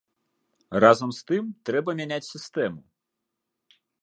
Разам з тым, трэба мяняць сістэму.